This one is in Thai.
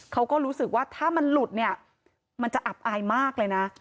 เขาก็รู้สึกว่าถ้ามันหลุดเนี่ยมันจะอับอายมากเลยนะ